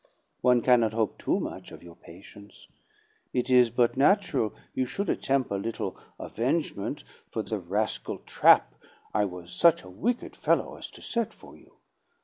One cannot hope too much of your patience. It is but natural you should attemp' a little avengement for the rascal trap I was such a wicked fellow as to set for you.